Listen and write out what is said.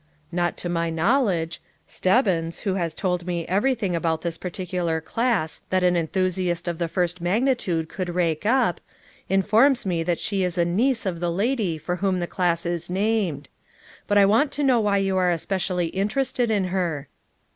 "Not to my knowledge. Stebbins, who has told me everything about this particular class that an enthusiast of the first magnitude could rake up, informs me that she is a niece of the lady for whom the class is named. But I want to know why you are especially interested in her."